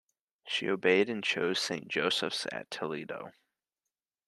She obeyed and chose Saint Joseph's at Toledo.